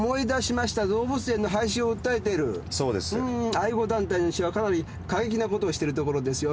愛護団体にしてはかなり過激なことをしてるところですよね。